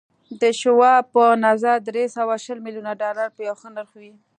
د شواب په نظر دري سوه شل ميليونه ډالر به يو ښه نرخ وي.